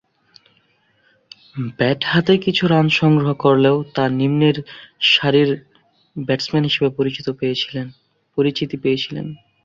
Bat হাতে কিছু run সংগ্রহ করলেও তা নিম্নের সারির ব্যাটসম্যান হিসেবে পরিচিতি পেয়েছিল।